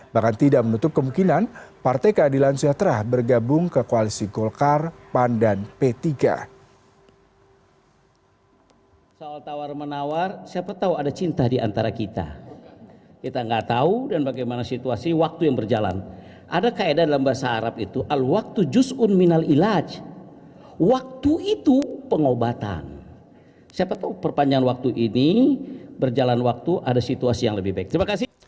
bahkan tidak menutup kemungkinan partai keadilan sustiatera bergabung ke koalisi golkar pandan p tiga